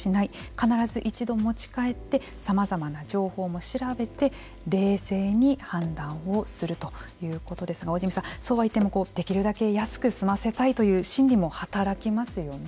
必ず一度持ち帰ってさまざまな情報も調べて冷静に判断をするということですが大慈弥さん、そうは言ってもできるだけ安く済ませたいという心理も働きますよね。